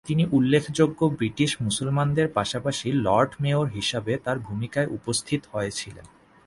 তিনি উল্লেখযোগ্য ব্রিটিশ মুসলমানদের পাশাপাশি লর্ড মেয়র হিসাবে তাঁর ভূমিকায় উপস্থিত হয়েছিলেন।